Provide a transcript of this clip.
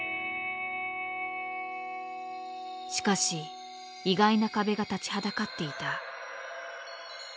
しかし意外な壁が立ちはだかっていた。